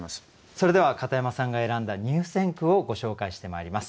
それでは片山さんが選んだ入選句をご紹介してまいります。